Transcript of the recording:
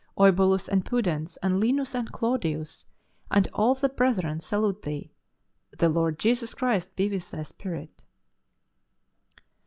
Eubulus and Pudens and Linus and Claudius and all the brethren salute thee. The Lord Jesus Christ be with thy spirit."